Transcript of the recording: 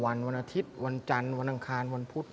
วันอาทิตย์วันอาทิตย์วันจันทร์วันอนาทิตย์วันพุทธ